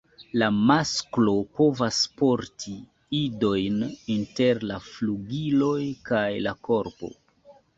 La masklo povas porti idojn inter la flugiloj kaj la korpo.